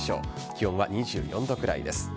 気温は２４度くらいです。